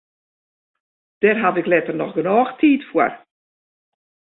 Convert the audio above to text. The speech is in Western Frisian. Dêr haw ik letter noch genôch tiid foar.